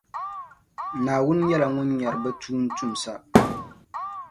Naawuni nyɛla Ŋun nyara bɛ tuuntumsa.